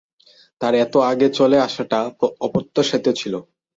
তার এত আগে চলে আসাটা অপ্রত্যাশিত ছিল।